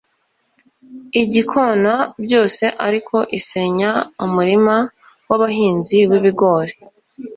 igikona byose ariko isenya umurima w abahinzi wibigori